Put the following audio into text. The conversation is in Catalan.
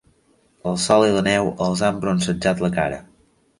El sol i la neu els han bronzejat la cara.